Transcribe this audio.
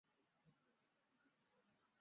雷托人口变化图示